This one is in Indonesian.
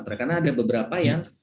karena ada beberapa yang